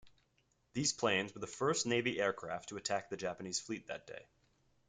These planes were the first Navy aircraft to attack the Japanese fleet that day.